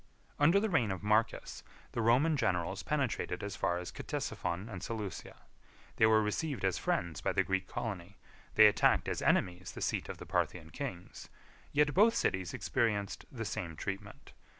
41 Under the reign of Marcus, the Roman generals penetrated as far as Ctesiphon and Seleucia. They were received as friends by the Greek colony; they attacked as enemies the seat of the Parthian kings; yet both cities experienced the same treatment.